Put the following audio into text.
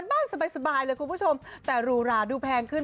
บ้านสบายเลยคุณผู้ชมแต่หรูหราดูแพงขึ้น